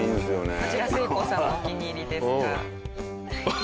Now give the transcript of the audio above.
こちらせいこうさんのお気に入りですが。